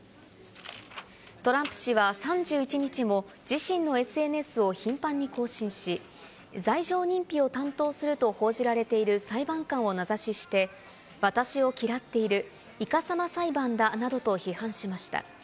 トランプ氏は３１日も自身のＳＮＳを頻繁に更新し、罪状認否を担当すると報じられている裁判官を名指しして、私を嫌っている、いかさま裁判だなどと批判しました。